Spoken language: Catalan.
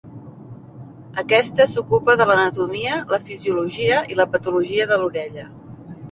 Aquesta s'ocupa de l'anatomia, la fisiologia i la patologia de l'orella.